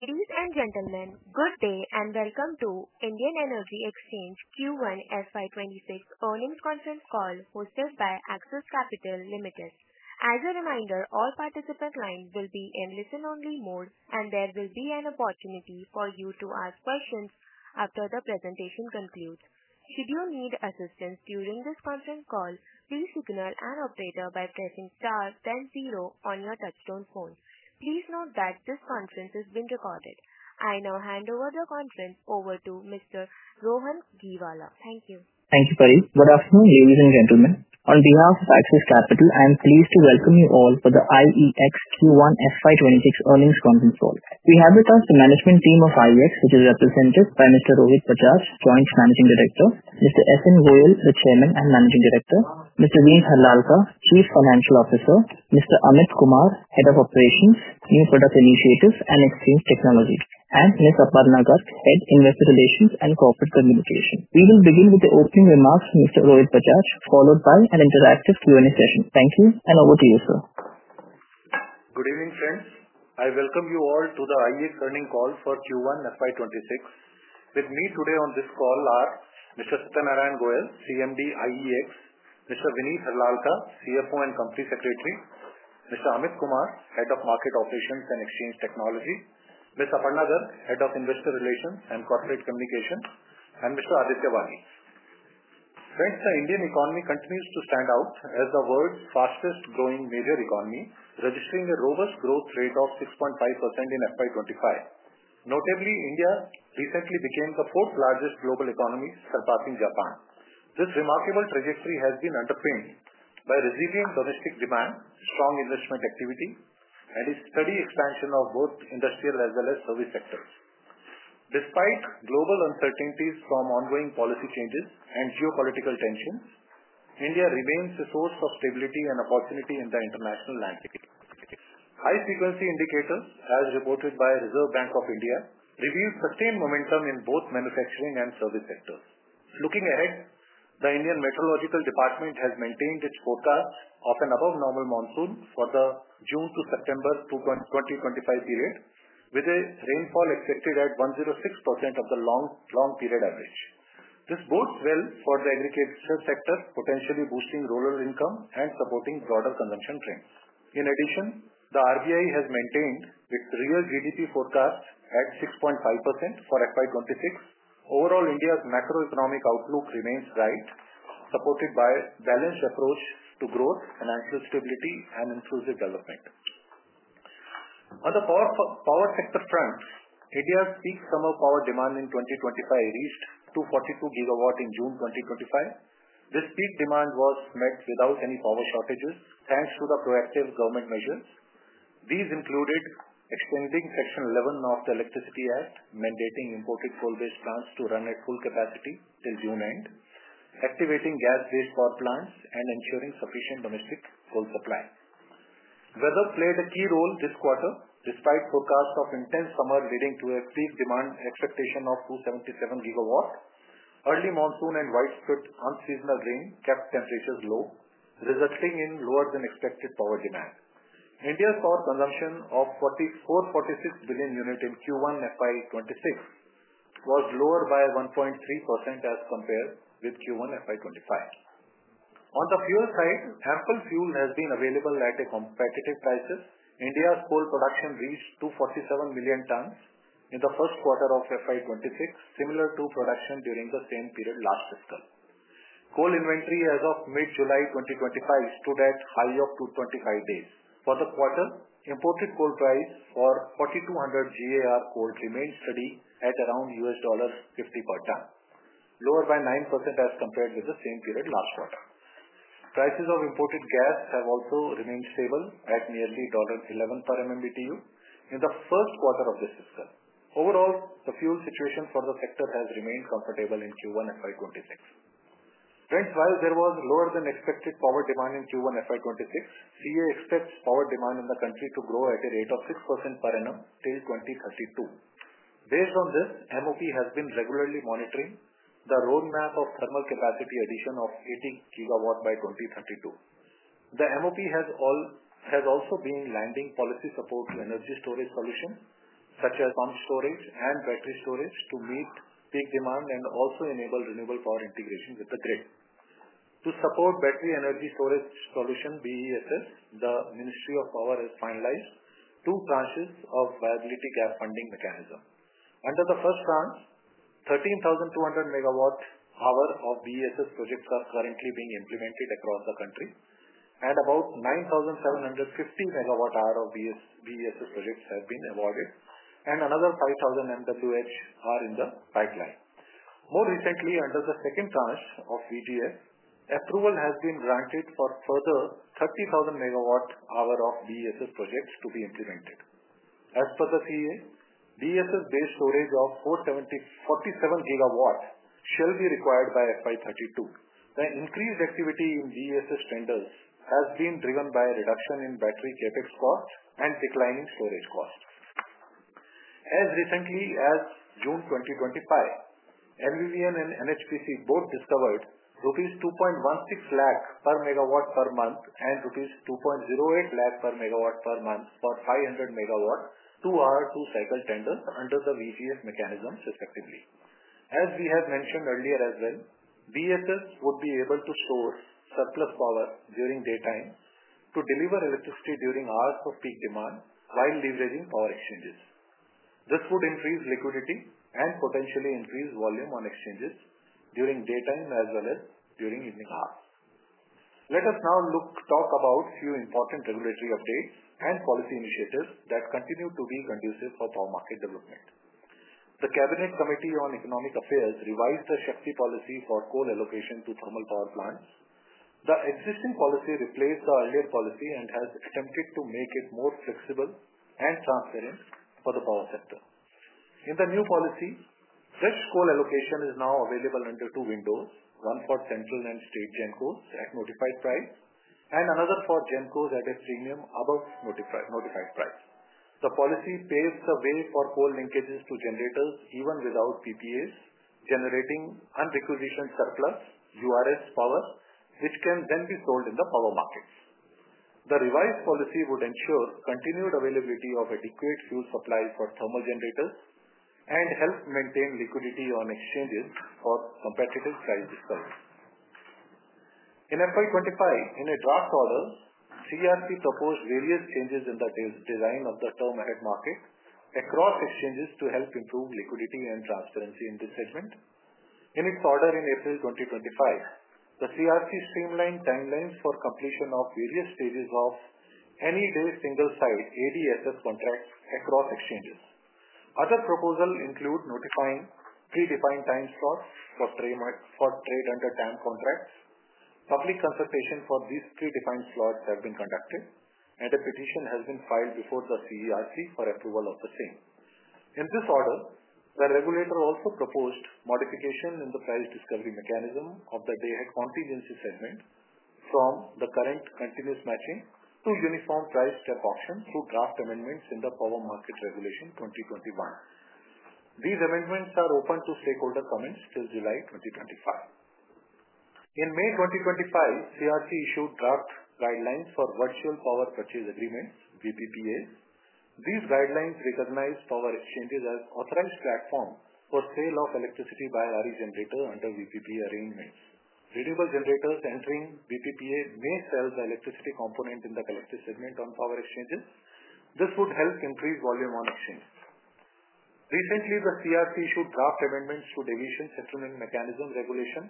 Ladies and gentlemen, good day and welcome to Indian Energy Exchange Q1 FY 2026 earnings conference call hosted by Axis Capital. As a reminder, all participant lines will be in listen-only mode, and there will be an opportunity for you to ask questions after the presentation concludes. Should you need assistance during this conference call, please signal an operator by pressing star then zero on your touchstone phone. Please note that this conference is being recorded. I now hand over the conference to Mr. Rohan Gheewala. Thank you. Thank you, Pari. Good afternoon, ladies and gentlemen. On behalf of Axis Capital, I am pleased to welcome you all for the IEX Q1 FY 2026 earnings conference call. We have with us the management team of Indian Energy Exchange Ltd, which is represented by Mr. Rohit Bajaj, Joint Managing Director; Mr. Satyanarayan Goel, Chairman and Managing Director; Mr. Vineet Harlalka, Chief Financial Officer and Company Secretary; Mr. Amit Kumar, Head of Market Operations and Exchange Technology; and Ms. Aparna Garg, Head of Investor Relations and Corporate Communications. We will begin with the opening remarks from Mr. Rohit Bajaj, followed by an interactive Q&A session. Thank you, and over to you, sir. Good evening, friends. I welcome you all to the IEX earnings call for Q1 FY 2026. With me today on this call are Mr. Satyanarayan Goel, CMD IEX; Mr. Vineet Harlalka, CFO and Company Secretary; Mr. Amit Kumar, Head of Market Operations and Exchange Technology; Ms. Aparna Garg, Head of Investor Relations and Corporate Communications; and Mr. Aditya Wali. Friends, the Indian economy continues to stand out as the world's fastest growing major economy, registering a robust growth rate of 6.5% in FY 2025. Notably, India recently became the fourth largest global economy, surpassing Japan. This remarkable trajectory has been underpinned by resilient domestic demand, strong investment activity, and a steady expansion of both industrial as well as service sectors. Despite global uncertainties from ongoing policy changes and geopolitical tensions, India remains a source of stability and opportunity in the international landscape. High-frequency indicators, as reported by the Reserve Bank of India, reveal sustained momentum in both manufacturing and service sectors. Looking ahead, the Indian Meteorological Department has maintained its quota of an above-normal monsoon for the June to September 2025 period, with rainfall expected at 106% of the long-term period average. This bodes well for the aggregate sectors, potentially boosting rural income and supporting broader production trends. In addition, the RBI has maintained its real GDP forecast at 6.5% for FY 2026. Overall, India's macroeconomic outlook remains bright, supported by a balanced approach to growth, financial stability, and inclusive development. On the power sector front, India's peak solar power demand in 2025 reached 242 GW in June 2025. This peak demand was met without any power shortages, thanks to the proactive government measures. These included expanding Section 11 of the Electricity Act, mandating imported coal-based plants to run at full capacity till June end, activating gas-based power plants, and ensuring sufficient domestic coal supply. Weather played a key role this quarter, despite forecasts of intense summer leading to a peak demand expectation of 277 GW. Early monsoon and widespread unseasonal rain kept temperatures low, resulting in lower than expected power demand. India's power consumption of 44.6 billion units in Q1 FY 2026 was lower by 1.3% as compared with Q1 FY 2025. On the fuel side, chemical fuel has been available at competitive prices. India's coal production reached 247 million tons in the first quarter of FY 2026, similar to production during the same period last quarter. Coal inventory as of mid-July 2025 stood at a high of 25 days. For the quarter, imported coal price for 4,200 GAR coal remains steady at around $1.50 per ton, lower by 9% as compared with the same period last quarter. Prices of imported gas have also remained stable at nearly $1.11 per MMBtu in the first quarter of this system. Overall, the fuel situation for the sector has remained comfortable in Q1 FY 2026. Friends, while there was lower than expected power demand in Q1 FY 2026, the EA expects power demand in the country to grow at a rate of 6% per annum till 2032. Based on this, MOP has been regularly monitoring the roadmap of thermal capacity addition of 18 GW by 2032. The MOP has also been lending policy support to energy storage solutions, such as pump storage and battery storage, to meet peak demand and also enable renewable power integration with the grid. To support battery energy storage solutions, BESS, the Ministry of Power has finalized two branches of viability gap funding mechanisms. Under the first branch, 13,200 MWh of BESS projects are currently being implemented across the country, and about 9,750 MWh of BESS projects have been awarded, and another 5,000 MWh are in the pipeline. More recently, under the second branch of VGF, approval has been granted for further 30,000 MWh of BESS projects to be implemented. As per the CEA, BESS-based storage of 47 GW shall be required by FY 2032. The increased activity in BESS tenders has been driven by a reduction in battery CapEx costs and declining storage costs. As recently as June 2025, NVVN and NHPC both discovered rupees 2.16 lakh per megawatt per month and rupees 2.08 lakh per MW per month for 500 MW through our two cycle tenders under the VGF mechanisms effectively. As we have mentioned earlier as well, BESS would be able to store surplus power during daytime to deliver electricity during hours of peak demand while leveraging power exchanges. This would increase liquidity and potentially increase volume on exchanges during daytime as well as during evening hours. Let us now talk about a few important regulatory updates and policy initiatives that continue to be conducive for power market development. The Cabinet Committee on Economic Affairs revised the SFP policy for coal allocation to thermal power plants. The existing policy replaced the earlier policy and has attempted to make it more flexible and transparent for the power sector. In the new policy, fixed coal allocation is now available under two windows, one for central and state GENCOs at notified price and another for GENCOs at a premium above notified price. The policy paves the way for coal linkages to generators even without PPAs, generating unrequisitioned surplus URS power, which can then be sold in the power markets. The revised policy would ensure continued availability of adequate fuel supply for thermal generators and help maintain liquidity on exchanges for competitive price discovery. In FY 2025, in a draft order, CERC proposed various changes in the design of the term-ahead market across exchanges to help improve liquidity and transparency in the investment. In its order in April 2025, the CERC streamlined timelines for completion of various stages of any given single-side ADSS contract across exchanges. Other proposals include notifying predefined time slots for trade-under-time contracts. Public consultation for these predefined slots has been conducted, and a petition has been filed before the CERC for approval of the same. In this order, the regulator also proposed modification in the price discovery mechanism of the day-ahead contingency segment from the current continuous matching to uniform price check options through draft amendments in the Power Market Regulation 2021. These amendments are open to stakeholder comments till July 2025. In May 2025, CERC issued draft guidelines for virtual power purchase agreements, VPPAs. These guidelines recognize power exchanges as an authorized platform for sale of electricity by RE generator under VPPA arrangements. Renewable generators entering VPPAs may sell the electricity component in the collective segment on power exchanges. This would help increase volume on exchange. Recently, the CERC issued draft amendments to the deviation settlement mechanism regulation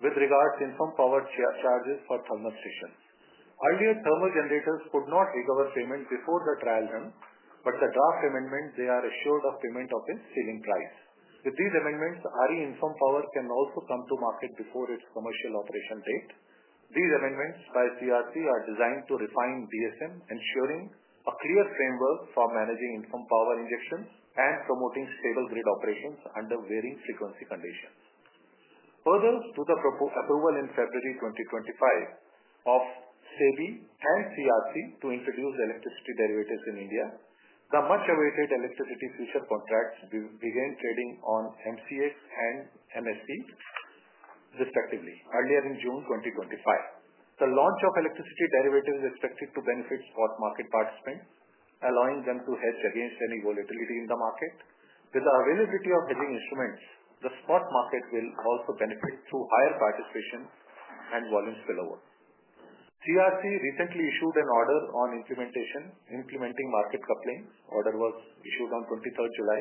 with regards to infirm power charges for thermal station. Earlier, thermal generators could not recover payment before the trial run, but with the draft amendment, they are assured of payment of its ceiling price. With these amendments, RE infirm power can also come to market before its commercial operation date. These amendments by CERC are designed to refine BESS, ensuring a clear framework for managing informed power injections and promoting stable grid operations under varying frequency conditions. Further, through the approval in February 2025 of SEBI and CERC to introduce electricity derivatives in India, the much-awaited electricity future contracts will begin trading on MCX and NSE respectively earlier in June 2025. The launch of electricity derivatives is expected to benefit spot market participants, allowing them to hedge against any volatility in the market. With the availability of hedging instruments, the spot market will also benefit through higher participation and volume spillover. CERC recently issued an order on implementing market coupling. The order was issued on 23rd July,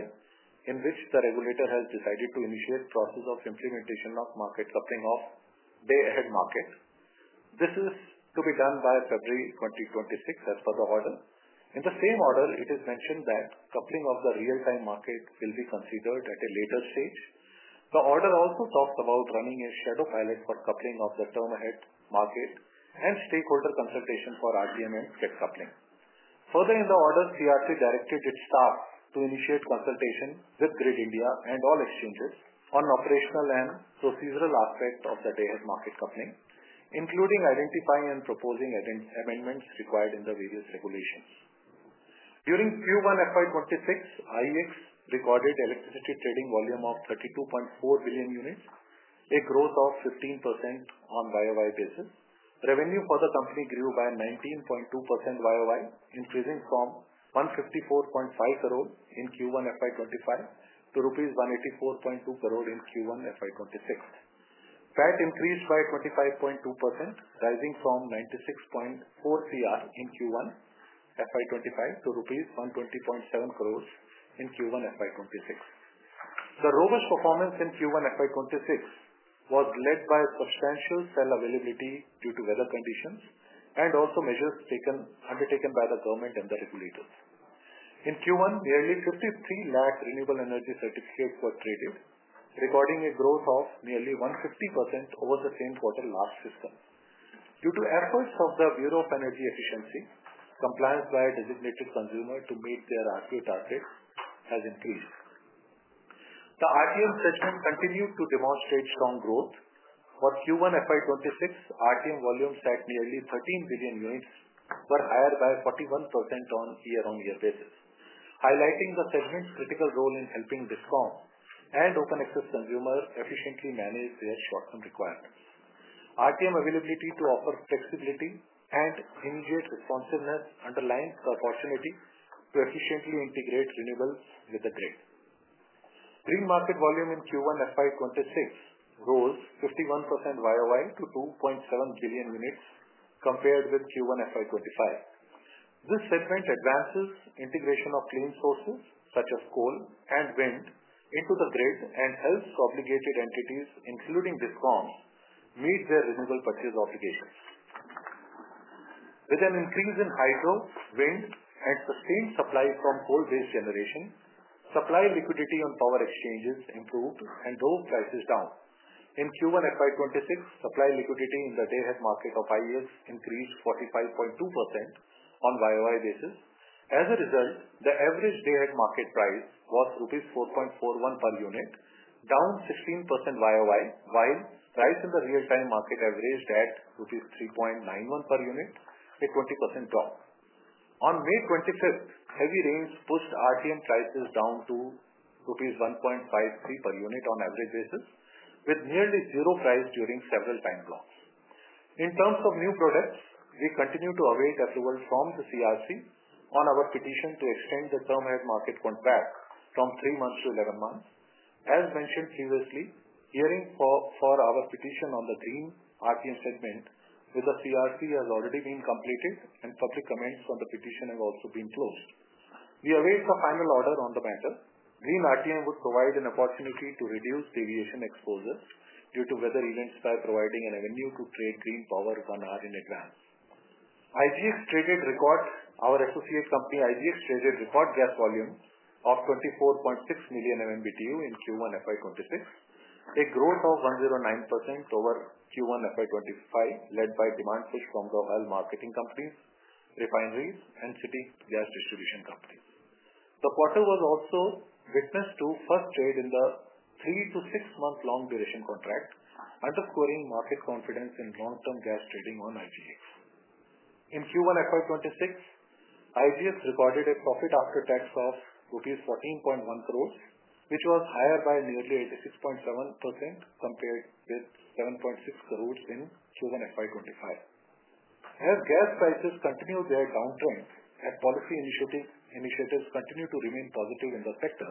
in which the regulator has decided to initiate process of implementation of market coupling of day-ahead markets. This is to be done by February 2026, as per the order. In the same order, it is mentioned that coupling of the Real-Time Market will be considered at a later stage. The order also talked about running a shadow pilot for coupling of the term-ahead market and stakeholder consultation for RTM check coupling. Further in the order, CERC directed its staff to initiate consultation with Grid India and all exchanges on operational and procedural aspects of the day-ahead market coupling, including identifying and proposing amendments required in the various regulations. During Q1 FY 2026, IEX recorded electricity trading volume of 32.4 billion units, a growth of 15% on YoY basis. Revenue for the company grew by 19.2% YoY, increasing from 154.5 crore in Q1 FY 2025 to INR 184.2 crore in Q1 FY 2026. PAT increased by 25.2%, rising from 96.4 crore in Q1 FY 2025 to rupees 120.7 crore in Q1 FY 2026. The robust performance in Q1 FY 2026 was led by a substantial cell availability due to weather conditions and also measures undertaken by the government and the regulators. In Q1, nearly 5.3 million Renewable Energy Certificates were traded, recording a growth of nearly 150% over the same quarter last year. Due to efforts of the Bureau of Energy Efficiency, compliance by a designated consumer to meet their RPO targets has increased. The Real-Time Market segment continued to demonstrate strong growth. For Q1 FY 2026, RTM volumes by nearly 13 billion units were higher by 41% on a year-on-year basis, highlighting the segment's critical role in helping discom and open-access consumers efficiently manage their short-term requirements. RTM's availability to offer flexibility and industry responsiveness underlines the opportunity to efficiently integrate renewables with the grid. Green market volume in Q1 FY 2026 rose 51% YoY to 2.7 billion units compared with Q1 FY 2025. This segment advances integration of clean sources such as solar and wind into the grid and helps obligated entities, including discom, meet their renewable purchase obligations. With an increase in hydro, wind, and sustained supply from coal-based generation, supply liquidity on power exchanges improved and drove prices down. In Q1 FY 2026, supply liquidity in the day-ahead market of IEX increased 45.2% on YoY basis. As a result, the average day-ahead market price was rupees 4.41 per unit, down 16% YoY, while price in the Real-Time Market averaged at 3.91 per unit, a 20% drop. On May 25, heavy rains pushed RTM prices down to rupees 1.53 per unit on an average basis, with nearly zero price during several time blocks. In terms of new products, we continue to await approval from the CERC on our petition to extend the term-ahead market contract from 3-11 months. As mentioned previously, hearing for our petition on the green RTM segment with the CERC has already been completed, and public comments on the petition have also been closed. We await a final order on the matter. Green RTM would provide an opportunity to reduce deviation exposure due to weather events by providing an avenue to trade green power on IEX graphs. IGX traded record gas volume of 24.6 million MMBtu in Q1 FY 2026, a growth of 109% over Q1 FY 2025, led by demand push from oil marketing companies, refineries, and city gas distribution companies. The quarter was also witness to first trade in the three to six-month long duration contract, underlining market confidence in long-term gas trading on IGX. In Q1 FY 2026, IGX recorded a profit after tax of rupees 14.1 crore, which was higher by nearly 86.7% compared with 7.6 crore in Q1 FY 2025. As gas prices continue their downturn and policy initiatives continue to remain positive in the sector,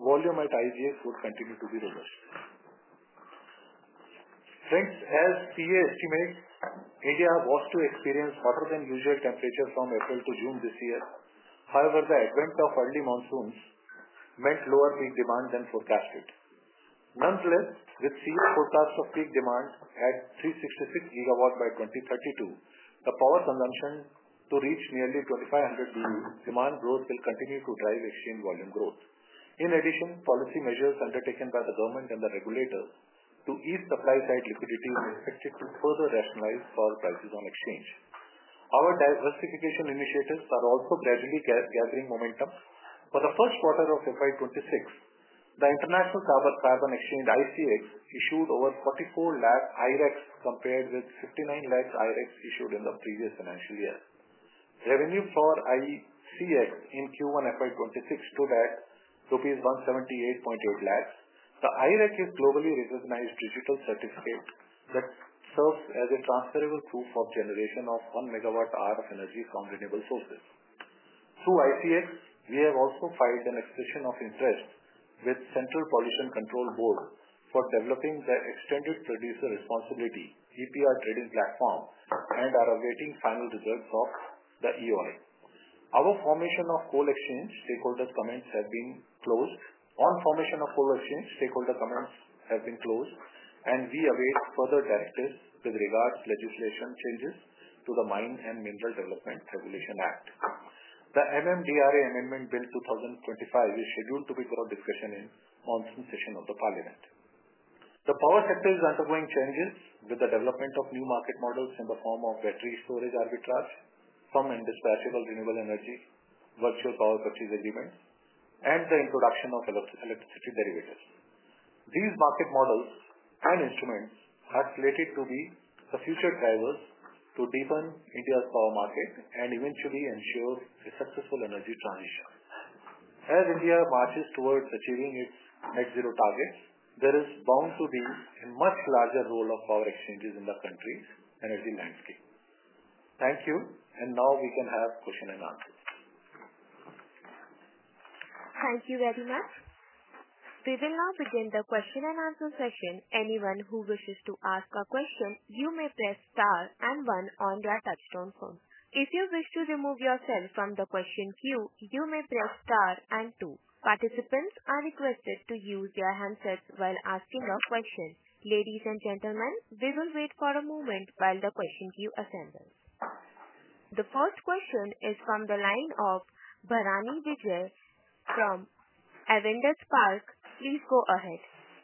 volume at IGX would continue to be robust. Friends, as IMD estimates, India was to experience hotter than usual temperatures from April to June this year. However, the advent of early monsoons meant lower peak demand than forecasted. Nonetheless, with sealed forecasts of peak demand at 366 GW by 2032, the power consumption to reach nearly 2,500 BU demand growth will continue to drive exchange volume growth. In addition, policy measures undertaken by the government and the regulator to ease supply-side liquidity will effectively further rationalize for prices on exchange. Our diversification initiatives are also gradually gathering momentum. For the first quarter of FY 2026, the International Carbon Exchange, ICX, issued over 44 lakhs. I-REC compared with 5.9 million I-REC issued in the previous financial year. Revenue for ICX in Q1 FY 2026 stood at rupees 178.8 lakhs. The I-REC is a globally recognized digital certificate that serves as a transferable tool for the generation of 1 MWh of energy from renewable sources. Through ICX, we have also filed an extension of interest with the Central Pollution Control Board for developing the extended producer responsibility EPR trading platform and are awaiting final results of the EOI. Our formation of coal exchange stakeholder comments has been closed. On the formation of coal exchange stakeholder comments have been closed, and we await further directives with regards to legislation changes to the Mine and Mineral Development Regulation Act. The MMDRA amendment bill 2025 is scheduled to be brought discussion in on the session of the Parliament. The power sector is undergoing changes with the development of new market models in the form of battery storage arbitrage, some in the dispatcher of renewable energies, virtual power purchase agreements, and the introduction of electricity derivatives. These market models and instruments are slated to be the future drivers to deepen India's power market and eventually ensure a successful energy transition. As India marches towards achieving its net zero targets, there is bound to be a much larger role of power exchanges in the country's energy landscape. Thank you, and now we can have questions and answers. Thank you very much. We will now begin the question-and-answer session. Anyone who wishes to ask a question, you may press star and one on your touchstone phone. If you wish to remove your phone from the question queue, you may press star and two. Participants are requested to use their handsets while asking a question. Ladies and gentlemen, we will wait for a moment while the question queue ascends. The first question is from the line of Bharanidhar Vijayakumar from Avendus Spark. Please go ahead.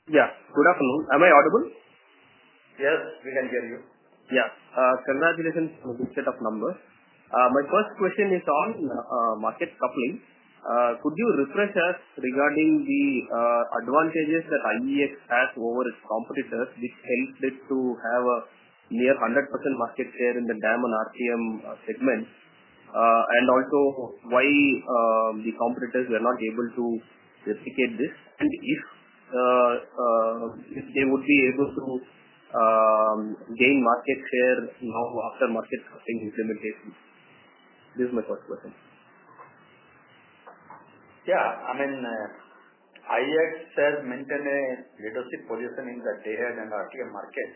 Yeah, good afternoon. Am I audible? Yes, we can hear you. Yeah, congratulations on a good set of numbers. My first question is on market coupling. Could you refresh us regarding the advantages that IEX has over its competitors, which helped it to have a near 100% market share in the RTM segment, and also why the competitors were not able to replicate this? If they would be able to gain market share now after markets have been implemented, this is my first question. Yeah, I mean, IEX has maintained a leadership position in the day-ahead and Real-Time Market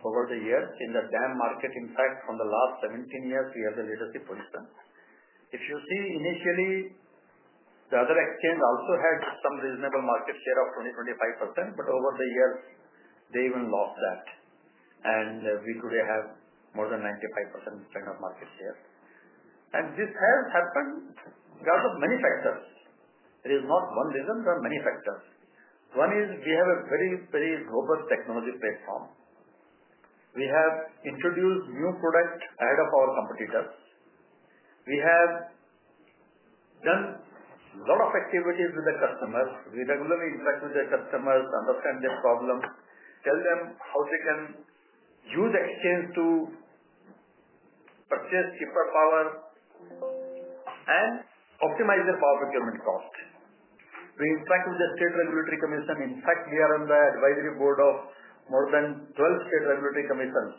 over the years. In the day-ahead market, in fact, over the last 17 years, we have a leadership position. If you see, initially, the other exchange also had some reasonable market share of 20%, 25%, but over the years, they even lost that. We could have more than 95% change of market share. This has happened because of many factors. There is not one reason, but many factors. One is we have a very, very robust technology platform. We have introduced new products ahead of our competitors. We have done a lot of activities with the customers. We regularly interact with the customers, understand their problems, tell them how we can use the exchange to purchase cheaper power, and optimize the power procurement cost. We interact with the State Regulatory Commission. In fact, we are on the advisory board of more than 12 State Regulatory Commissions.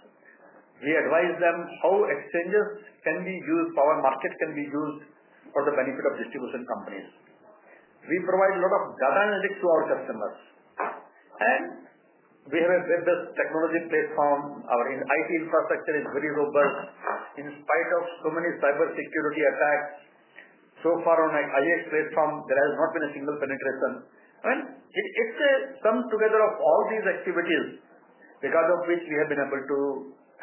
We advise them how exchanges can be used, power markets can be used for the benefit of distribution companies. We provide a lot of data analytics to our customers. We have a very robust technology platform. Our IT infrastructure is very robust in spite of too many cybersecurity attacks. So far, on the IEX platform, there has not been a single penetration. It's a come together of all these activities because of which we have been able to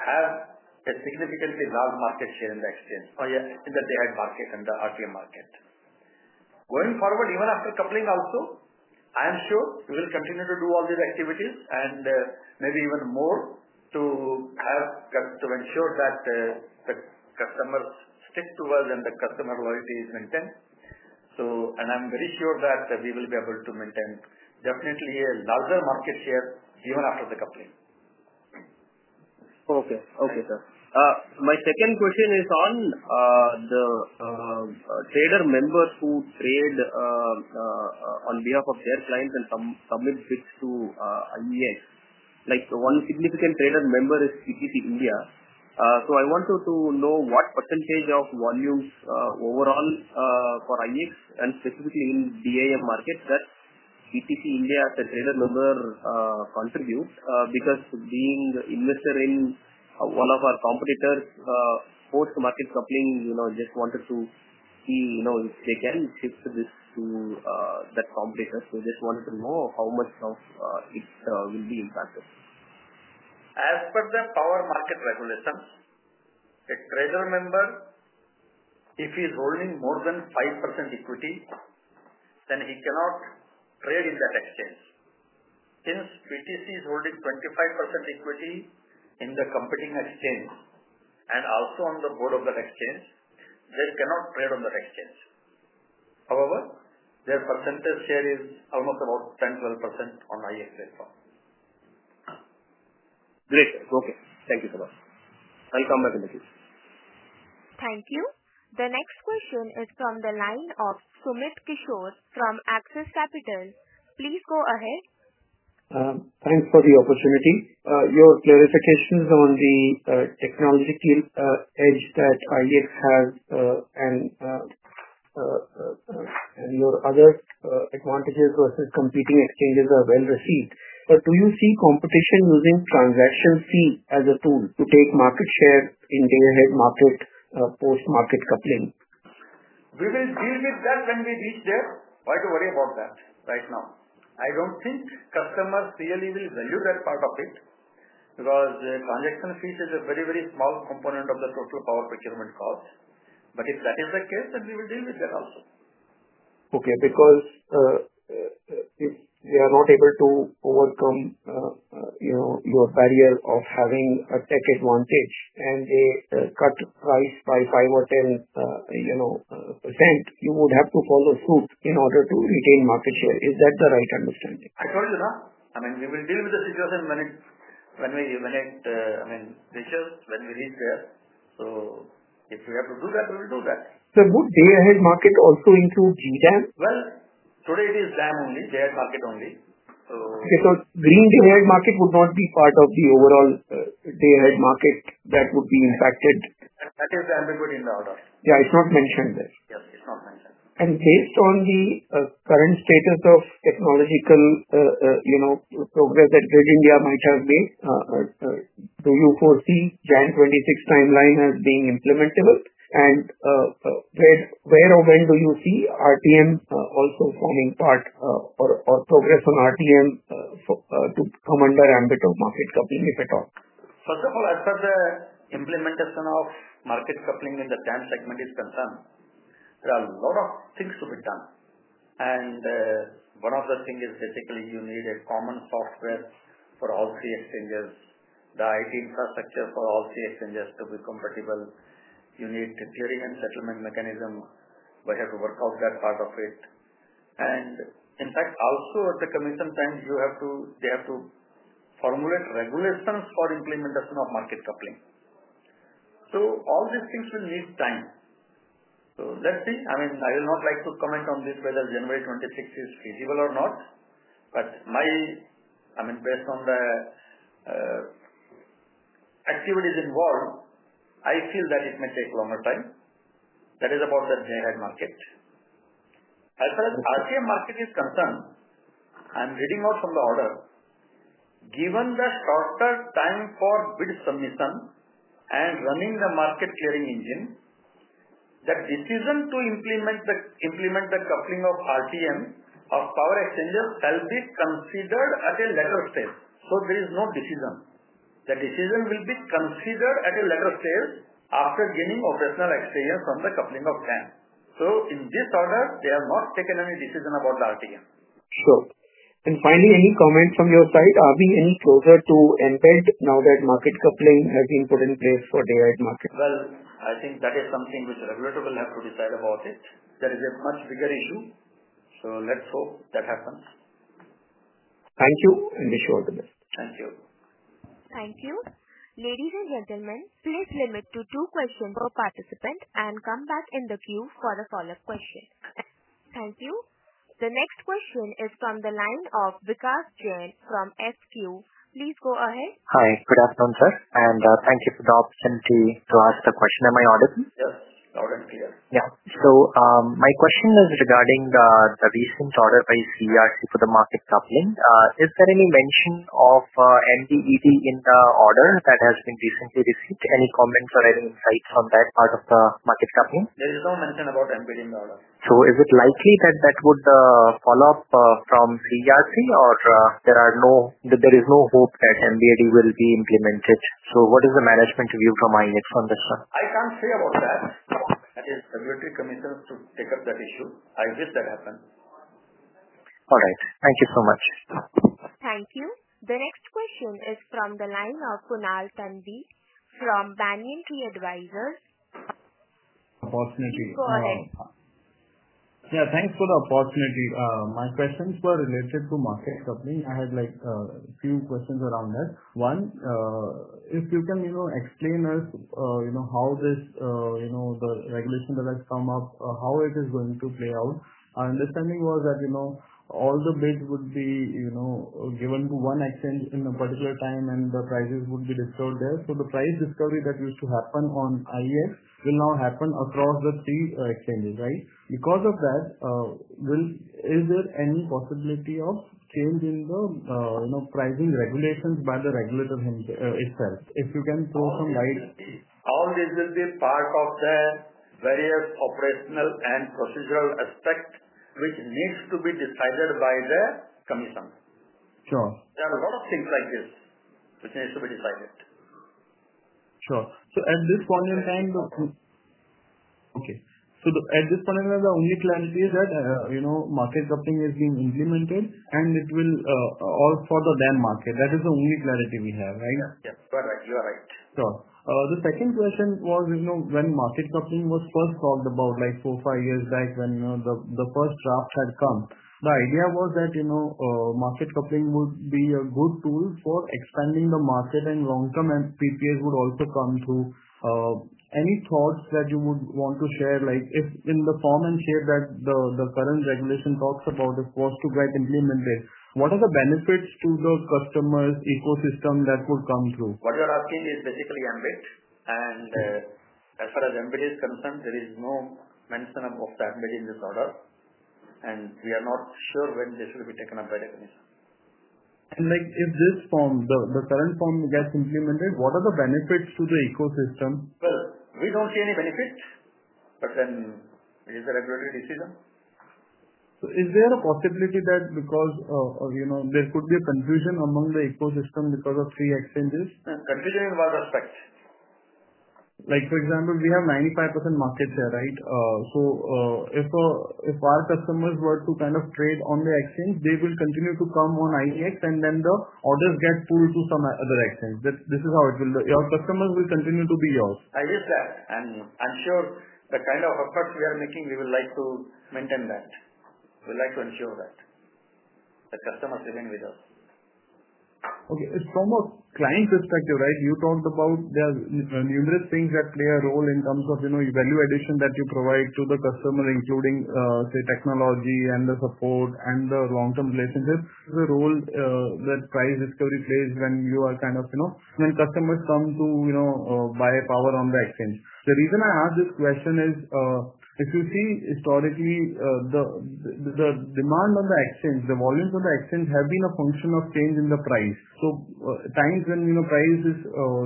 have a significantly large market share in the exchange in the day-ahead market and the Real-Time Market. Going forward, even after market coupling also, I am sure we will continue to do all these activities and maybe even more to ensure that the customers stick to us and the customer loyalty is maintained. I am very sure that we will be able to maintain definitely a larger market share even after the coupling. Okay, okay, sir. My second question is on the trader members who trade on behalf of their clients and submit bids to IEX. Like one significant trader member is CPT India. I wanted to know what percent of volumes overall for IEX and specifically in day-ahead markets that PTC India as a trader member contributes because being an investor in one of our competitors, post-market coupling, I just wanted to see if they can shift this to that competitor. I just wanted to know how much of it will be impacted. As per the power market regulation, a trader member, if he is holding more than 5% equity, then he cannot trade in that exchange. Since PTC is holding 25% equity in the competing exchange and also on the board of that exchange, they cannot trade on that exchange. However, their percentage share is almost about 10%-12% on IEX's platform. Great. Okay, thank you so much. I'll come back in a few seconds. Thank you. The next question is from the line of Sumit Kishore from Axis Capital. Please go ahead. Thanks for the opportunity. Your clarifications on the technological edge that IEX has and your other advantages versus competing exchanges are well received. Do you see competition using transaction fee as a tool to take market share in day-ahead market post-market coupling? We will deal with that when we reach there. Why do I worry about that right now? I don't think customers really will value that part of it, because the transaction fee is a very, very small component of the total power procurement cost. If that is the case, then we will deal with that also. Okay, because if they are not able to overcome your barrier of having a tax advantage and a cut price by 5% or 10%, you would have to follow suit in order to retain market share. Is that the right understanding? I told you that. We will deal with the situation when we reach there. If we have to do that, we will do that. Would day-ahead market also include GDAM? Today it is DAM only, day-ahead market only. Because green day-ahead market would not be part of the overall day-ahead market, that would be impacted. It is ambiguous in the order. Yeah, it's not mentioned there. Yes, it's not mentioned. Based on the current status of technological progress that Grid India might have made, do you foresee the January 2026 timeline as being implementable? Where or when do you see the Real-Time Market also forming part or progress on the Real-Time Market to come under the ambit of market coupling, if at all? First of all, as per the implementation of market coupling in the day-ahead market segment is concerned, there are a lot of things to be done. One of the things is basically you need a common software for all three exchanges, the IT infrastructure for all three exchanges to be compatible. You need the tiering and settlement mechanism. We have to work out that part of it. In fact, also at the commission time, they have to formulate regulations for implementation of market coupling. All these things will need time. Let's see. I mean, I will not like to comment on this whether January 2026 is feasible or not. Based on the activities involved, I feel that it may take a longer time. That is about the day-ahead market. As far as the Real-Time Market is concerned, I'm reading out from the order, given the shorter time for bid submission and running the market tiering engine, the decision to implement the coupling of Real-Time Market of power exchanges shall be considered at a later stage. There is no decision. The decision will be considered at a later stage after gaining operational experience from the coupling of the day-ahead market. In this order, they have not taken any decision about the Real-Time Market. Sure. Finally, any comments from your side? Are we any closer to end point now that market coupling has been put in place for day-ahead market? I think that is something which the regulator will have to decide about it. That is a much bigger issue. Let's hope that happens. Thank you. Thank you. Thank you. Ladies and gentlemen, please limit to two questions per participant and come back in the queue for the follow-up questions. Thank you. The next question is from the line of Vikas Jain from FQ. Please go ahead. Hi. Good afternoon, sir. Thank you for the opportunity to ask the question. Am I audible? Yes, loud and clear. Yeah, my question is regarding the recent order by CERC for the market coupling. Is there any mention of MBED in the order that has been recently received? Any comments or any insights on that part of the market coupling? There is no mention about MBED in the order. Is it likely that that would follow up from CERC or there is no hope that MBED will be implemented? What is the management's view from IEX on this one? I can't say about that. Okay. I wish regulatory commissions take up that issue. I wish that happened. All right. Thank you so much. Thank you. The next question is from the line of Kunal Thanvi from Banyan Tree Advisors. Opportunity. Go ahead. Yeah, thanks for the opportunity. My questions were related to market coupling. I had a few questions around that. One, if you can explain to us how this regulation that has come up, how it is going to play out. Our understanding was that all the bid would be given to one exchange in a particular time and the prices would be distributed there. The price discovery that used to happen on IEX will now happen across the three exchanges, right? Because of that, is there any possibility of changing the pricing regulations by the regulator himself? If you can throw some light. All this will be part of the various operational and procedural aspects, which need to be decided by the commission. Sure. There are a lot of things like this which need to be decided. Sure. So. You can do this one. At this point, the only clarity is that, you know, market coupling is being implemented and it will, all for the day-ahead market. That is the only clarity we have, right? Yes, you are right. Sure. The second question was, you know, when market coupling was first talked about, like four or five years back when the first draft had come, the idea was that market coupling would be a good tool for expanding the market and long-term and PPAs would also come through. Any thoughts that you would want to share? If in the form and shape that the current regulation talks about, if it was to get implemented, what are the benefits to the customer's ecosystem that would come through? What you're asking is basically MBED. As far as MBED is concerned, there is no mention of MBED in the product, and we are not sure when this will be taken up by the commission. Is this from the current form that gets implemented, what are the benefits to the ecosystem? We don't see any benefits, but then it is a regulatory decision. Is there a possibility that, you know, there could be a confusion among the ecosystem because of free exchanges? Confusion in what aspects? For example, we have 95% market share, right? If our customers were to kind of trade on the exchange, they will continue to come on IEX and then the orders get pulled to some other exchange. This is how it will be. Our customers will continue to be yours. I wish that. I'm sure the kind of effort we are making, we will like to maintain that. We would like to ensure that the customers remain with us. Okay. It's from a client perspective, right? You talked about there are numerous things that play a role in terms of value addition that you provide to the customer, including, say, technology and the support and the long-term relationships. The role that price discovery plays when you are kind of, you know, when customers come to buy power on the exchange. The reason I ask this question is, if you see historically, the demand on the exchange, the volumes on the exchange have been a function of change in the price. Times when price is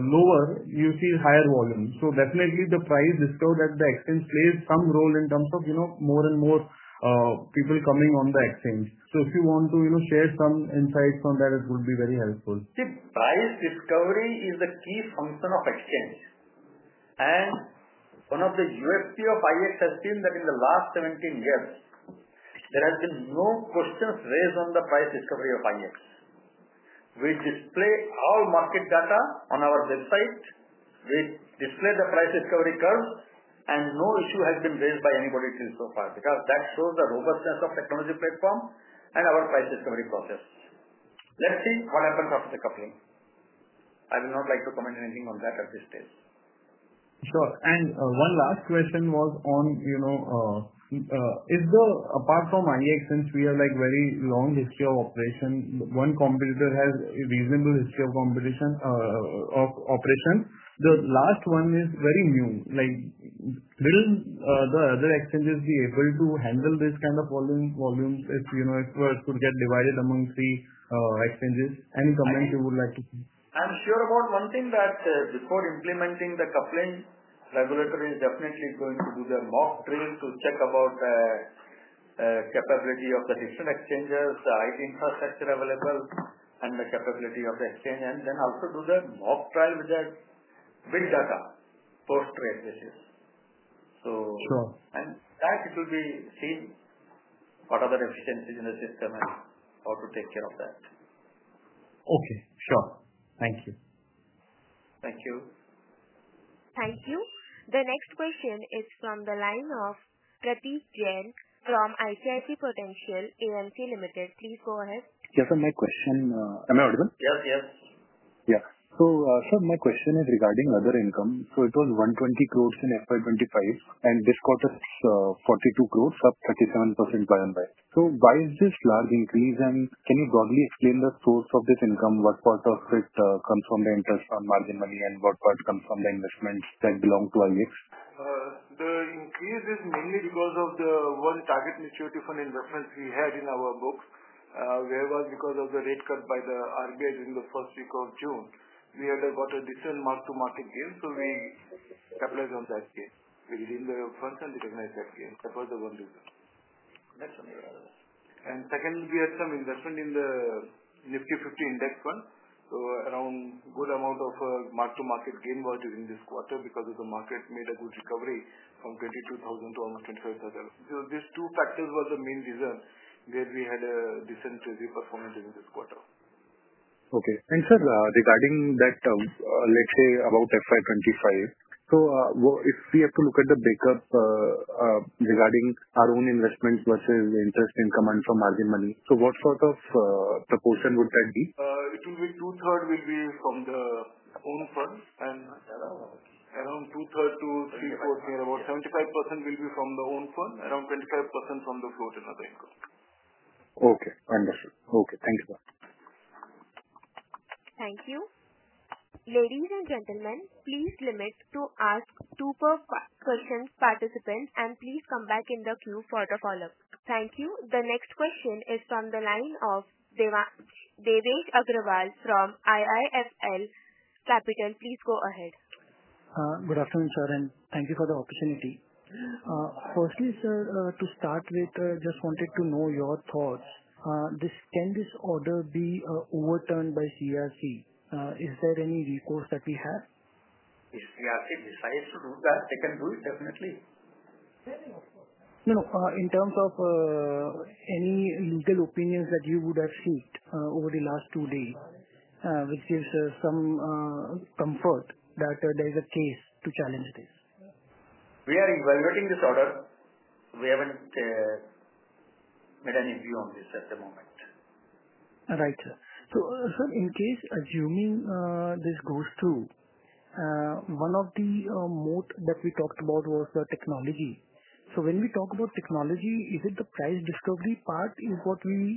lower, you see higher volume. Definitely, the price discovery at the exchange plays some role in terms of more and more people coming on the exchange. If you want to share some insights on that, it would be very helpful. See, price discovery is the key function of exchange. One of the USP of IEX has been that in the last 17 years, there has been no questions raised on the price discovery of IEX, which displays all market data on our website, which displays the price discovery curve, and no issue has been raised by anybody till so far because that shows the robustness of the technology platform and our price discovery process. Let's see what happens after the coupling. I will not like to comment anything on that at this stage. Sure. One last question was on, you know, is the apart from IEX, since we have a very long history of operation, one competitor has a reasonable history of operations. The last one is very new. Will the other exchanges be able to handle this kind of volume if it could get divided among the exchanges? Any comments you would like to see? I'm sure about one thing that before implementing the market coupling, regulatory definition is going to do their mock drill to check about the capability of the different exchanges, the IT infrastructure available, and the capability of the exchange, and then also do that mock trial with the data for traces. It will be seen what other efficiencies in the system and how to take care of that. Okay, sure. Thank you. Thank you. Thank you. The next question is from the line of Prateek Jain from ICICI Prudential AMC Limited. Please go ahead. Yes, sir. My question, am I audible? Yes, yes. Yeah, sir, my question is regarding other income. It was 120 crore in FY 2025, and this quarter is 42 crore, up 37%. Why is this large increase? Can you broadly explain the source of this income? What part of it comes from the interest on margin money and what part comes from the investments that belong to IEX? The increase is mainly because of the one target maturity fund investments we had in our book, whereas because of the rate cut by the RBI during the first week of June, we had got a decent mark-to-market gain. We capitalized on that space, redeemed the funds, and we recognized that gain. That was the one reason. That's amazing. We had some investment in the NIFTY 50 index fund. Around a good amount of mark-to-market gain was during this quarter because the market made a good recovery from 22,000-25,000. These two factors were the main reasons where we had a decent Jolie performance during this quarter. Okay. Sir, regarding that term, let's say about FY 2025, if we have to look at the breakup regarding our own investments versus the interest income for margin money, what sort of proportion would that be? It will be two-thirds from the own funds and around 2/3-3/4, near about 75%, will be from the own fund, around 25% from the floating of the income. Okay. Understood. Okay. Thank you, sir. Thank you. Ladies and gentlemen, please limit to two questions per participant and please come back in the queue for the follow-up. Thank you. The next question is from the line of Devinkh Agarwal from IIFL Capital. Please go ahead. Good afternoon, sir, and thank you for the opportunity. Firstly, sir, to start with, I just wanted to know your thoughts. Can this order be overturned by CERC? Is there any recourse that we have? If CERC decides to do that, they can do it, definitely. Sir, in terms of any legal opinions that you would have seeked over the last two days, is there some comfort that there is a case to challenge this? We are evaluating this order. We haven't made any view on this at the moment. Right, sir. In case assuming this goes through, one of the modes that we talked about was technology. When we talk about technology, is it the price discovery part in what we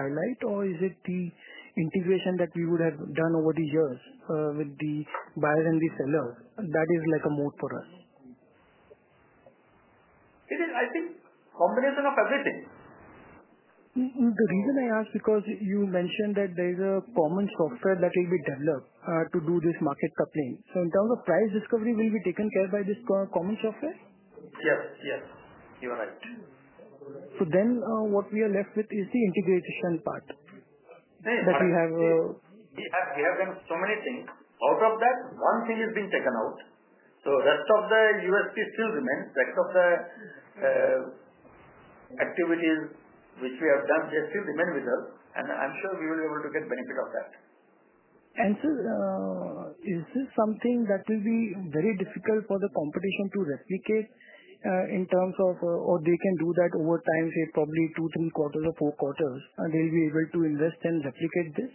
highlight, or is it the integration that we would have done over the years with the buyers and the sellers? That is like a mode for us. It is, I think, a combination of everything. The reason I ask is because you mentioned that there is a common software that will be developed to do this market coupling. In terms of price discovery, will we be taken care of by this common software? Yes, yes, you are right. What we are left with is the integration part that we have. We have done so many things. Out of that, one thing has been taken out. The rest of the USP still remains. The rest of the activities which we have done here still remain with us. I'm sure we will be able to get the benefit of that. Is this something that will be very difficult for the competition to replicate, in terms of, or they can do that over time, say, probably two, three quarters, or four quarters, and they'll be able to invest and replicate this,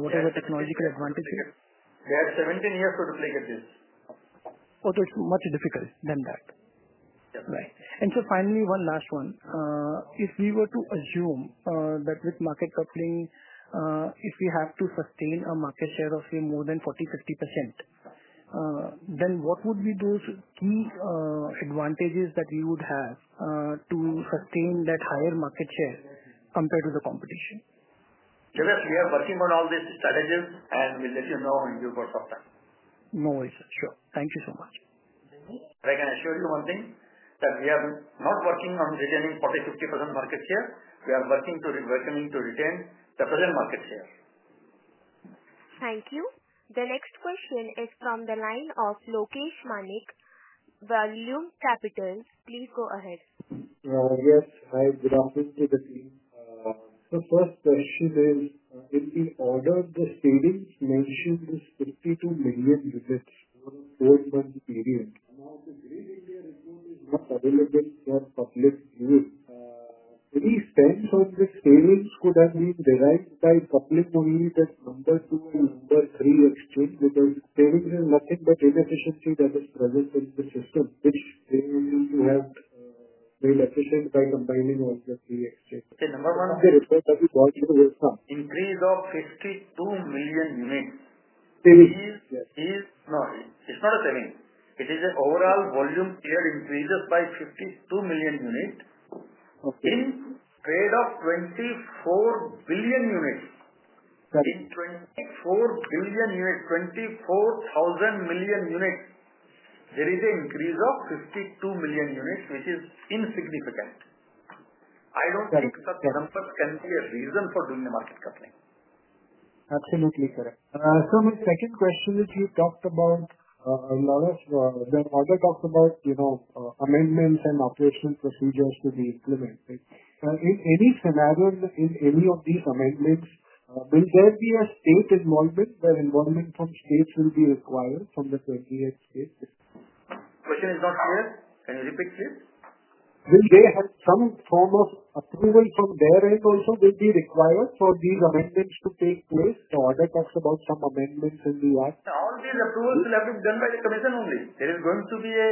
whatever technological advantage there? There are 17 years to replicate this. Although it's much more difficult than that. Right. Finally, one last one. If we were to assume that with market coupling, if we have to sustain a market share of, say, more than 40%, 50%, then what would be those key advantages that we would have to sustain that higher market share compared to the competition? Devinkh, we are working on all these strategies, and we'll let you know in due course of time. No worries, sir. Sure. Thank you so much. I can assure you one thing, that we are not working on retaining 40%-50% market share. We are working to reverse to retain the present market share. Thank you. The next question is from the line of Lokesh Manik, Vallum Capital. Please go ahead. Yes, hi. [Lokesh Manik] from the team. First, the issue where we ordered the spending made issue with 52 million units. Any spend for the spending could have been derived by coupling only the numbers to the numbers. Which spending will you have made efficient by combining all the three exchanges? Okay, number one of the reports that we got was an increase of 52 million units. It is not a savings. It is an overall volume tiered increase of 52 million units in a trade of 24 billion units. That is 24 billion units, 24,000 million units. There is an increase of 52 million units, which is insignificant. I don't think such numbers can be a reason for doing the market coupling. Absolutely, sir. My second question is you talked about, another that also talks about, you know, amendments and operational procedures to be implemented. Right? Any survival in any of these amendments, will there be a state involvement where involvement from states will be required from the 28 states? Which is not clear. Can you repeat, please? Will they have some form of approval from their end also will be required for these amendments to take place? Or they talked about some amendments will be added. All these approvals will have been done by the Commission only. There is going to be a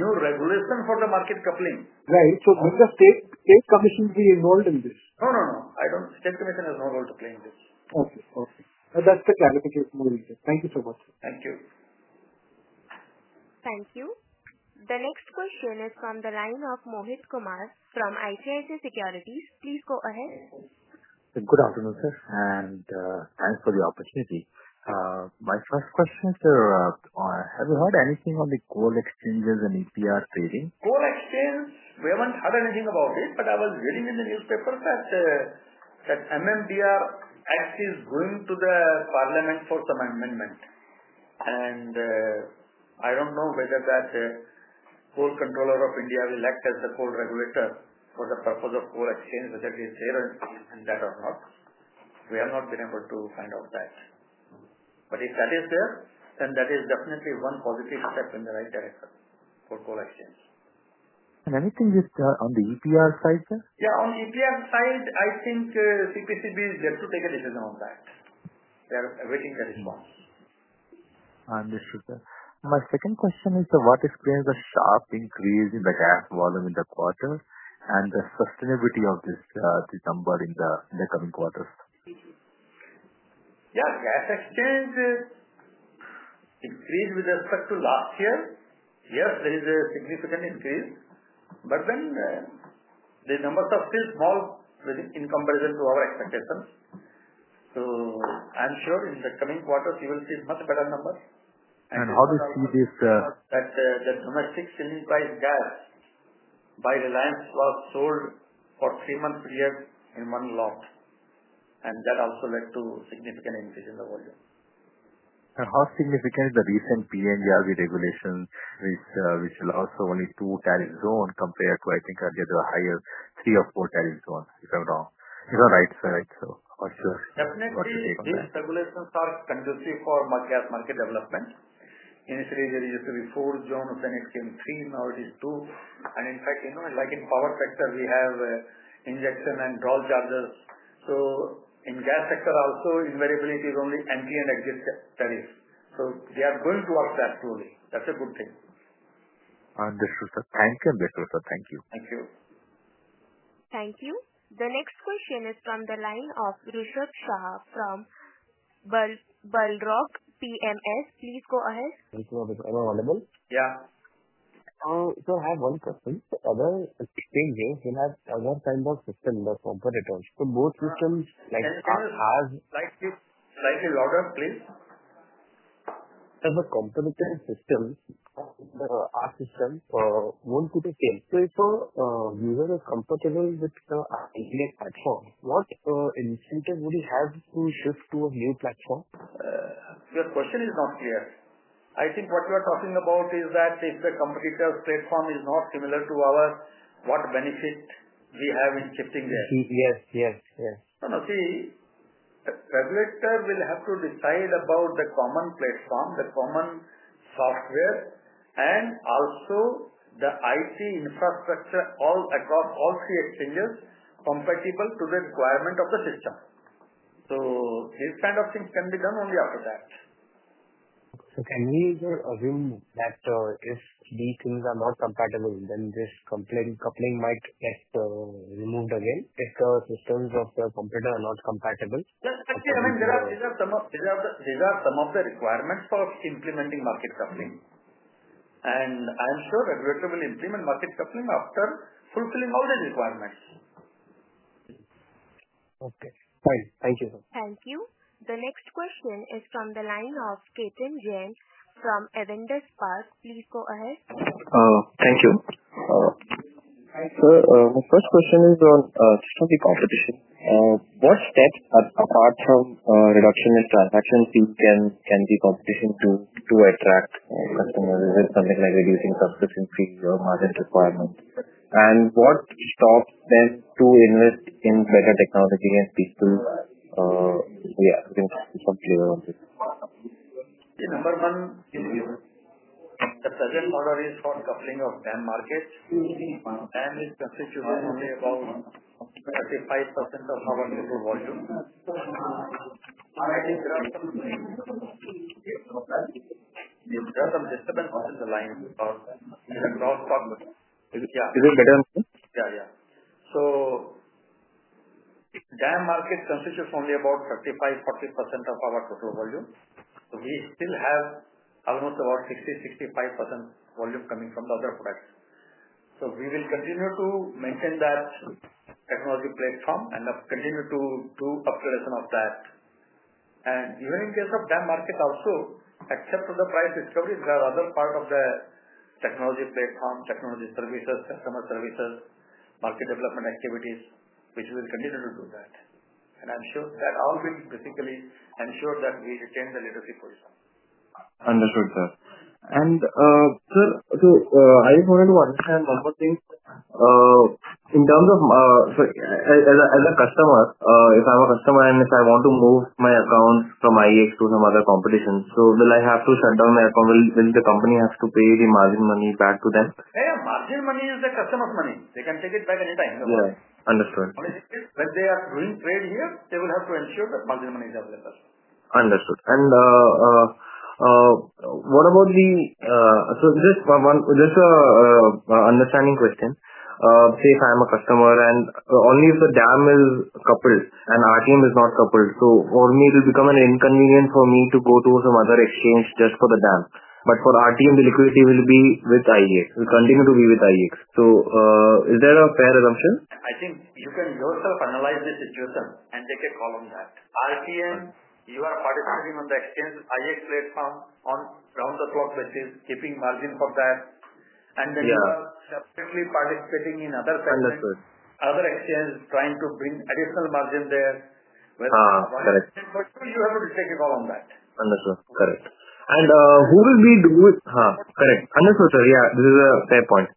new regulation for the market coupling. Right. Will the state commission be involved in this? No, I don't think the state commission has no role to play in this. Okay. Okay. That's the clarity for me. Thank you so much. Thank you. Thank you. The next question is from the line of Mohit Kumar from ICICI Securities. Please go ahead. Good afternoon, sir, and thanks for the opportunity. My first question is, sir, have you heard anything on the coal exchange and EPR trading? Coal exchange, we haven't heard anything about it, but I was reading in the newspaper that MMDR is going to the Parliament for some amendments. I don't know whether the coal controller of India will act as the coal regulator for the purpose of coal exchange, whether it is there or it is in that or not. We have not been able to find out that. If that is there, then that is definitely one positive step in the right direction for coal exchange. Anything on the EPR side, sir? Yeah, on the EPR side, I think CPCB is there to take a decision on that. They are awaiting their involvement. Understood, sir. My second question is, what explains the sharp increase in the gas volume in the quarter, and the sustainability of this number in the coming quarters? Yes, gas exchanges increased with respect to last year. Yes, there is a significant increase, but then the numbers are still small in comparison to our expectations. I'm sure in the coming quarters, we will see much better numbers. How do you see this? That's number six in price gas. By Reliance, it was sold for a three-month period in one lot. That also led to a significant increase in the volume. How significant is the recent PNGRB regulation, which allows only two tariff zones compared to, I think, earlier the higher three or four tariff zones, if I'm wrong. Yes. Right, sir, for sure. Definitely, these regulations are conducive for gas market development. Initially, there used to be four zones, then it became three, now it is two. In fact, you know, like in the power sector, we have injection and draw charges. In the gas sector also, invariably, it is only entry and exit tariffs. We are going towards that slowly. That's a good thing. Understood, sir. Thank you, Devinthy. Thank you. Thank you. Thank you. The next question is from the line of Rishabh Shah from BugleRock PMS. Please go ahead. Is everyone available? Yeah. Sir, I have one question. Other exchanges, you have other kinds of systems or competitors. Both systems like this have a lot of things. As a competitor system, our system won't be the same. If a user is comfortable with the internet platform, what initiative would he have to shift to a new platform? Your question is not clear. I think what you are talking about is that if a competitor's platform is not similar to ours, what benefit do you have in shifting? Yes, yes, yes. A regulator will have to decide about the common platform, the common software, and also the IT infrastructure all across all three exchanges compatible to the requirement of the system. These kinds of things can be done only after that. Can we assume that if these things are not compatible, then this market coupling might get removed again if the systems of the competitors are not compatible? Actually, these are some of the requirements for implementing market coupling. I'm sure the regulator will implement market coupling after fulfilling all the requirements. Okay. Fine, thank you, sir. Thank you. The next question is from the line of Ketan Jain from Avendus Spark. Please go ahead. Thank you. Sir, my first question is on sticky competition. What steps, apart from reduction in transaction fees, can be competition to attract customers? Is it something like reducing subsistency to a market requirement? What stops them to invest in better technology? Please do. We are a little unclear on this. Number one, if you see, the surging order is for coupling of day-ahead markets. Easy DAM is constitutionally about 35% of our volume. Mr. I'm just going to come to the line. Yeah, is it better? Yeah, yeah. DAM markets constitute only about 35%-40% of our total volume. We still have almost about 60%-65% volume coming from the other products. We will continue to maintain that technology platform and continue to do operation of that. Even in case of DAM market also, except for the price discovery, there are other parts of the technology platform, technology services, customer services, market development activities, which will continue to do that. I'm sure that all will basically ensure that we retain the leadership position. Understood, sir. Sir, I wanted to understand one more thing. In terms of, as a customer, if I'm a customer and if I want to move my accounts from IEX to some other competition, will I have to shut down my account? Will the company have to pay the margin money back to them? Yeah, margin money is a customer's money. They can take it back anytime. Right. Understood. If they are doing trade here, they will have to ensure that margin money is available. Understood. What about the, this is an understanding question. If I'm a customer and only if the day-ahead market is coupled and the Real-Time Market is not coupled, for me, it will become an inconvenience to go to some other exchange just for the day-ahead market. For the Real-Time Market, the liquidity will be with IEX. It will continue to be with IEX. Is that a fair assumption? I think you can yourself analyze this situation and take a call on that. RTM, you are participating on the exchange IEX platform on round-the-clock, which is keeping margin for that. Then you are subsequently participating in other sectors. Understood. Other exchanges are trying to bring additional margin there. Correct. You have to take a call on that. Understood. Correct. Who will be doing? Huh? Correct. Understood, sir. Yeah, this is a fair point.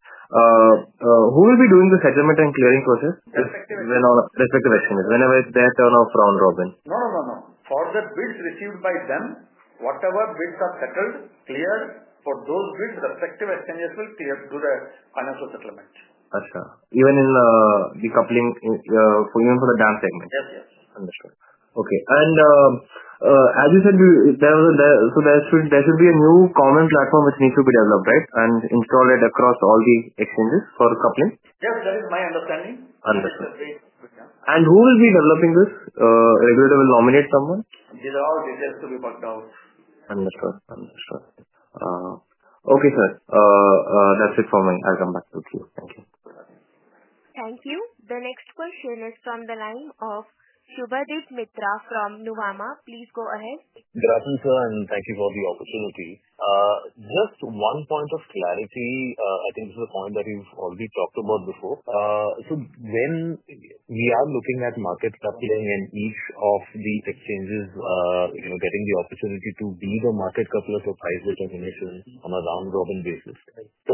Who will be doing the settlement and clearing process? The effective exchanges. The effective exchanges, whenever it's their turn of round-robin. For the bids received by them, whatever bids are settled, cleared for those bids, the effective exchanges will clear through the financial settlement. That's correct. Even in the decoupling, even for the day-ahead market segment. Yes, yes. Understood. Okay. As you said, there should be a new common platform which needs to be developed, right? Install it across all the exchanges for coupling? Yes, that is my understanding. Understood. As quickly as we can. Who will be developing this? The regulator will nominate someone? These are all details to be worked out. Understood. Understood. Okay, sir. That's it for me. I'll come back to it. Thank you. The next question is from the line of Subhadip Mitra from Nuvama. Please go ahead. Definitely, sir, and thank you for the opportunity. Just one point of clarity. I think this is a point that you've already talked about before. When we are looking at market coupling and each of the exchanges getting the opportunity to be the market coupler for price determination on a round-robin basis,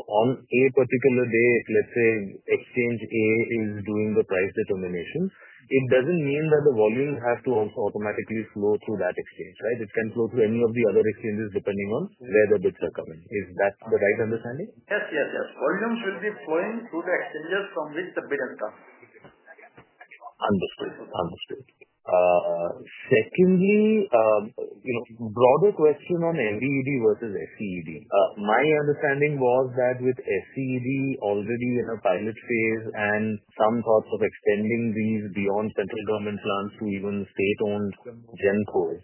on a particular day, let's say exchange A is doing the price determination, it doesn't mean that the volume has to automatically flow through that exchange, right? It can flow through any of the other exchanges depending on where the bids are coming. Is that the right understanding? Yes, volumes will be flowing through the exchanges from which the bids are coming. Understood. Understood. Secondly, a broader question on MBED versus SCED. My understanding was that with SCED already in a pilot phase and some thoughts of extending these beyond central government plans to even state-owned GENCOs,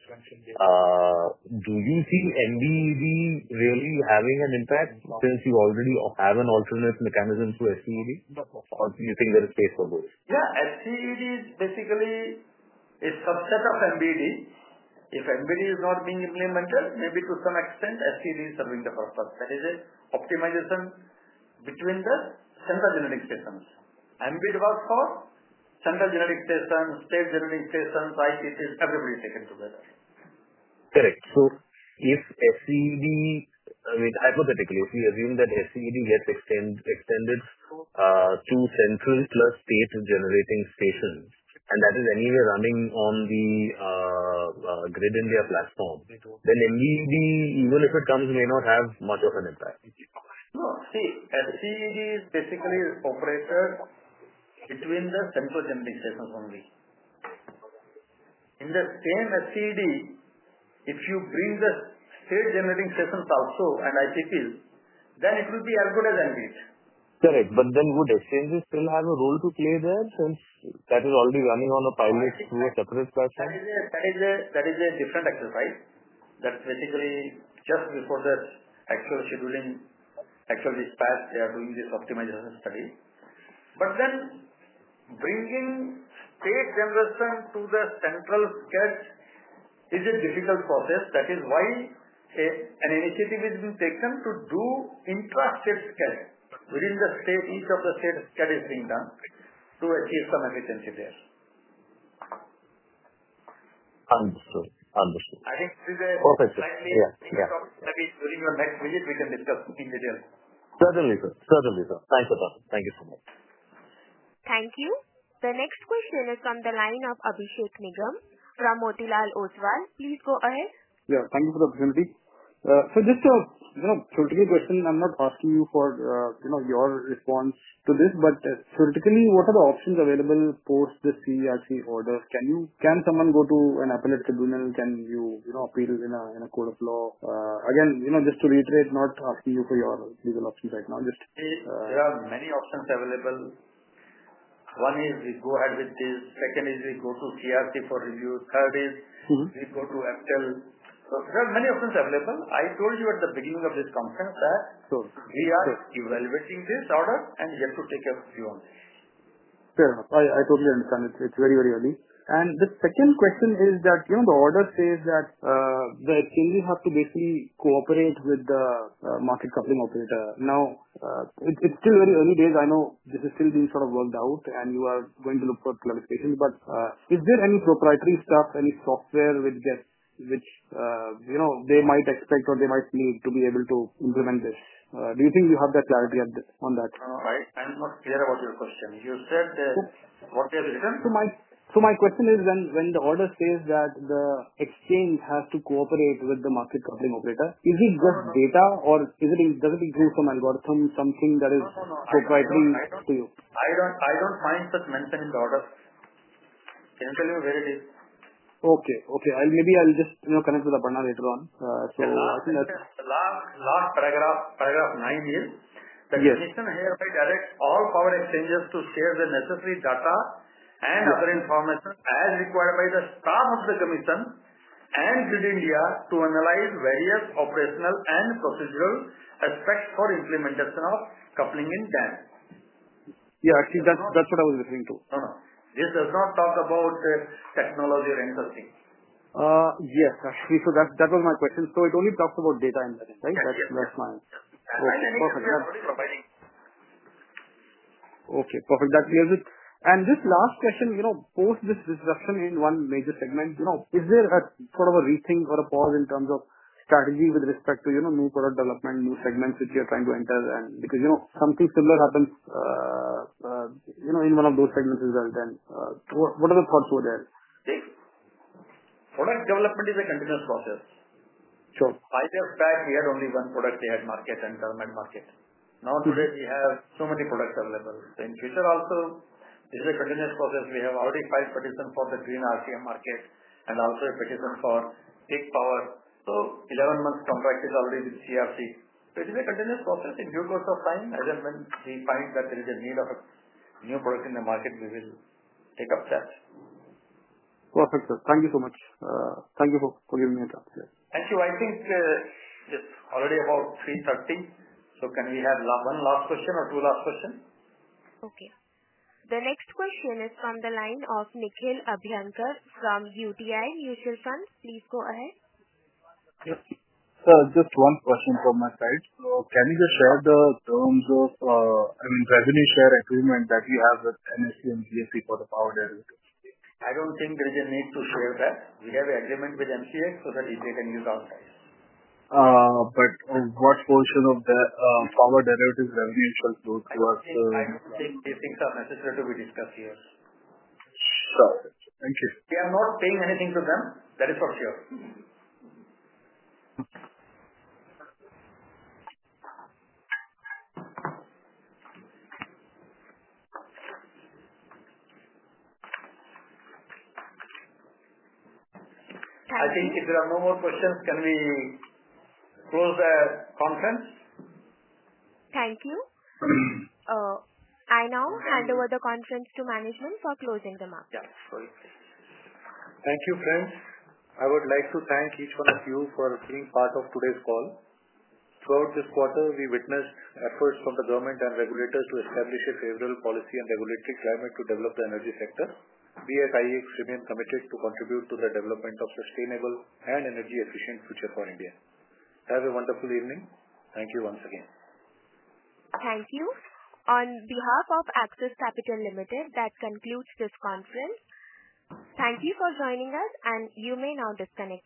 do you see MBED really having an impact since you already have an alternate mechanism to SCED? Or do you think there is space for both? Yeah, SCED is basically a subset of MBED. If MBED is not being implemented, maybe to some extent, SCED is serving the purpose. That is an optimization between the central generating systems. MBED was for central generating systems, state generating systems, ICCs, everybody is taken together. Correct. If SCED, I mean, hypothetically, if we assume that SCED gets extended to sensors plus state-generating stations and that is anywhere running on the Grid India platform, then MBED, even if it comes, may not have much of an impact. Sure. See, SCED is basically an operator between the central generating systems only. In the same SCED, if you bring the state-generating systems also and ICPs, then it will be as good as MBEDs. Correct. Would exchanges still have a role to play there since that is already running on a pilot through a separate platform? That is a different exercise. That's basically just before the actual scheduling actually starts, they are doing the optimization study. Bringing state generation to the central schedule is a difficult process. That is why an initiative will be taken to do intra-state schedule within the state. Each of the state schedules is being done to achieve some efficiency there. Understood. Understood. I think that's it. Okay, sir. I think that's it. Maybe during your next visit, we can discuss in detail. Certainly, sir. Thanks a lot. Thank you so much. Thank you. The next question is from the line of Abhishek Nigam from Motilal Oswal. Please go ahead. Yeah, thank you for the opportunity. Sir, just a sort of short question. I'm not asking you for, you know, your response to this, but theoretically, what are the options available post the CERC order? Can you, can someone go to an appellate tribunal? Can you, you know, appeal in a court of law? Again, you know, just to reiterate, not asking you for your legal options right now. Just. There are many options available. One is we go ahead with this. Second is we go to CERC for review. Third is we go to FTL. There are many options available. I told you at the beginning of this conference that we are evaluating this order, and you have to take care of your own. Fair enough. I totally understand it. It's very, very early. The second question is that, you know, the order says that the exchanges have to basically cooperate with the market coupling operator. It's still very early days. I know this is still being sort of worked out and you are going to look for clarifications. Is there any proprietary stuff, any software which, you know, they might expect or they might need to be able to implement this? Do you think you have that clarity on that? I'm not clear about your question. You said that what are the. When the order says that the exchange has to cooperate with the market coupling operator, is it just data or does it include some algorithm, something that is proprietary to you? I don't find such mention in the order. I can't tell you where it is. Okay. Maybe I'll just, you know, connect with Aparna later on. The last paragraph, paragraph nine, is the commission hereby directing all power exchanges to share the necessary data and other information as required by the staff of the commission and Grid India to analyze various operational and procedural aspects for implementation of market coupling in them. Yeah, I see. That's what I was referring to. No, no. This does not talk about technology or any such thing. Yes, I see. That was my question. It only talks about data in there, right? That's fine. Okay. Okay. Perfect. That clears it. This last question, you know, post this disruption in one major segment, is there a sort of a rethink or a pause in terms of strategy with respect to new product development, new segments which you are trying to enter? Because, you know, if something similar happens in one of those segments as well, what are the thoughts for there? Product development is a continuous process. Sure. Five years back, we had only one product-tailored market and government market. Nowadays, we have so many products available. In the future also, it will be a continuous process. We have already five petitions for the green Real-Time Market and also a petition for big power. 11 months contract is already with CERC. It will be a continuous process. In due course of time, as and when we find that there is a need of a new product in the market, we will take up sales. Perfect, sir. Thank you so much. Thank you for giving me a chance here. Thank you. I think it's already about 3:30 P.M. Can we have one last question or two last questions? Okay. The next question is from the line of Nikhil Abhyankar from UTI Mutual Funds. Please go ahead. Yes, sir. Just one question from my side. Can you just share the terms of revenue share agreement that you have with NSE and BSE for the power derivatives? I don't think there is a need to share that. We have an agreement with MCX, so that it is on site. What portion of the power derivatives revenue itself goes to us? I think these things are necessary to be discussed here. Got it. Thank you. We are not paying anything to them. That is for sure. I think if there are no more questions, can we close the conference? Thank you. I now hand over the conference to management for closing the matter. Thank you, friends. I would like to thank each one of you for being part of today's call. Throughout this quarter, we witnessed efforts from the government and regulators to establish a favorable policy and regulatory climate to develop the energy sector. We at IEX remain committed to contribute to the development of a sustainable and energy-efficient future for India. Have a wonderful evening. Thank you once again. Thank you. On behalf of Axis Capital, that concludes this conference. Thank you for joining us, and you may now disconnect.